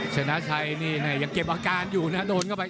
ชนะชัยนี่ยังเก็บอาการอยู่นะโดนเข้าไป